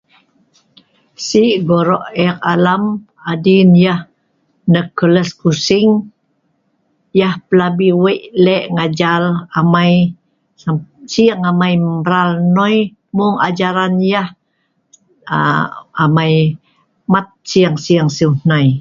Sik gorok eek alam, adin yeh Nicholas Using, yeh plabi weik lek nagajar amai, sing amai mral noi, mung ajaran yeh amai mat sing-sing siu nai.